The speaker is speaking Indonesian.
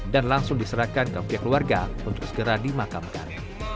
dan langsung diserahkan ke pihak keluarga untuk segera dimakamkan